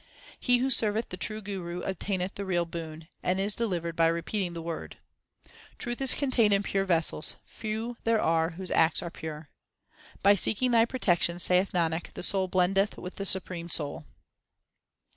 He who serveth the True Guru obtaineth the real boon, and is delivered by repeating the Word. Truth is contained in pure vessels ; few there are whose acts are pure. By seeking Thy protection, saith Nanak, the soul blendeth with the Supreme Soul.